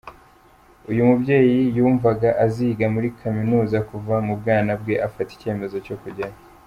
Uyu mubyeyi ymvuga aziga muri kaminuza kuva mu bwana bwe, afata icyemezo cyo kujyayo.